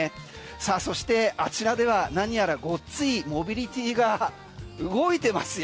さあそしてあちらでは何やらごついモビリティが動いてますよ。